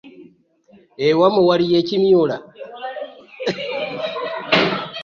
Ewamwe waliyo ekimyula?